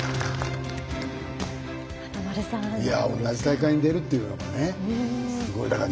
同じ大会に出るっていうのが、すごい。